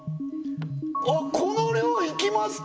あっこの量いきますか！